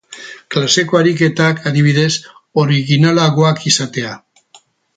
Klaseko ariketak, adibidez, originalagoak izatea.